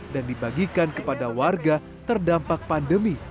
dan dibagikan kepada warga terdampak pandemi